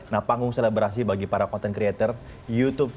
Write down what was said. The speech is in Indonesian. nah panggung selebrasi bagi para konten kreatif